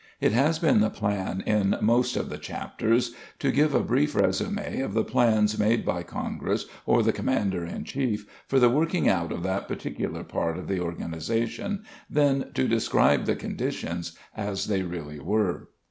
It has been the plan in most of the chapters to give a brief resume of the plans made by congress or the commander in chief for the working out of that particular part of the organization, then to describe the conditions as they really were.